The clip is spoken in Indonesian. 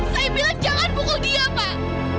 saya bilang jangan pukul dia pak